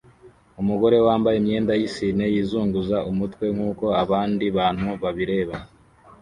Umugore wambaye imyenda yisine yizunguza umutwe nkuko abandi bantu babireba